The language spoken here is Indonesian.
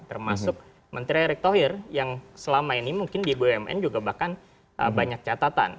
termasuk menteri erick thohir yang selama ini mungkin di bumn juga bahkan banyak catatan